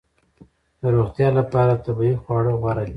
د روغتیا لپاره طبیعي خواړه غوره دي